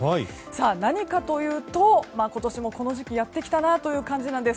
何かというと、今年もこの時期やってきたなという感じなんです。